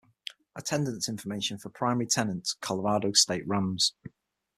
Attendance information for primary tenant, Colorado State Rams.